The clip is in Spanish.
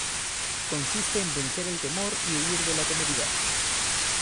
Consiste en vencer el temor y huir de la temeridad.